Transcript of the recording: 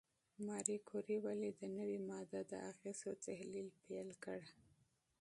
ماري کوري ولې د نوې ماده د اغېزو تحلیل پیل کړ؟